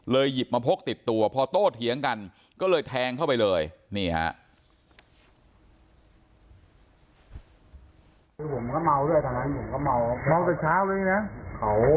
หยิบมาพกติดตัวพอโต้เถียงกันก็เลยแทงเข้าไปเลยนี่ฮะ